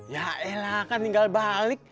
ya enak kan tinggal balik